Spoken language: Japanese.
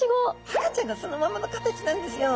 赤ちゃんがそのままの形なんですよ。